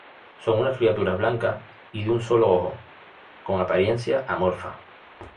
Son unas criaturas blancas y de un solo ojo, con apariencia Amorfa.